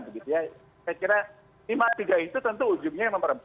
saya kira lima tiga itu tentu ujungnya yang nomor empat